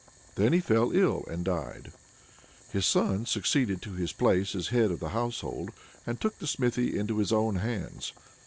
Then he fell ill and died. His son succeeded to his place as head of the household, and took the smithy into his own hands.